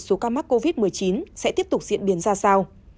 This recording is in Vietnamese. số ca mắc covid một mươi chín sẽ tiếp tục diễn biến ra sao